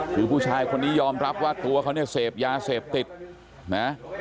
คือผู้ชายคนนี้ยอมรับว่าตัวเขาเนี่ยเสพยาเสพติดนะ